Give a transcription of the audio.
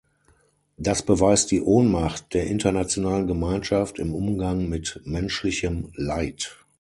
Das beweist die Ohnmacht der internationalen Gemeinschaft im Umgang mit menschlichem Leid.